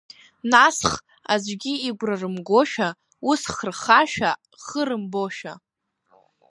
Насх, аӡәгьы игәра рымгошәа, усх, рхашәа хы рымбошәа.